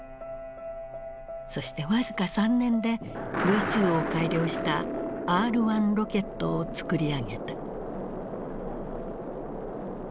そして僅か３年でＶ２を改良したＲー１ロケットを作り上げた。